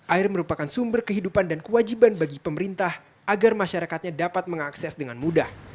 air merupakan sumber kehidupan dan kewajiban bagi pemerintah agar masyarakatnya dapat mengakses dengan mudah